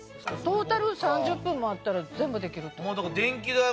トータル３０分もあったら全部できる？